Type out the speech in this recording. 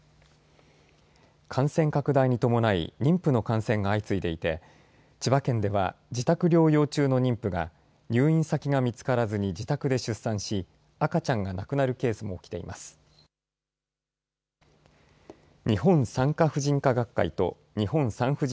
感染拡大に伴い妊婦の感染が相次いでいて千葉県では自宅療養中の妊婦が入院先が見つからずに自宅で出産し赤ちゃんが亡くなるケースも起きています。